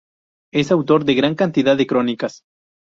Es autor de gran cantidad de crónicas.